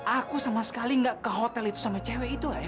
aku sama sekali nggak ke hotel itu sama cewek itu aja